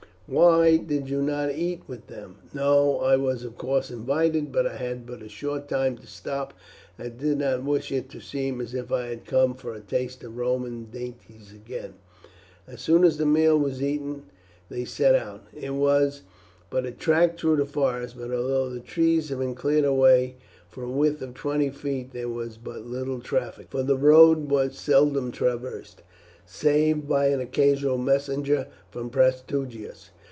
"Why, did you not eat with them?" "No. I was, of course, invited, but I had but a short time to stop and did not wish it to seem as if I had come for a taste of Roman dainties again." As soon as the meal was eaten they set out. It was but a track through the forest, for although the trees had been cleared away for a width of twenty feet there was but little traffic, for the road was seldom traversed, save by an occasional messenger from Prasutagus.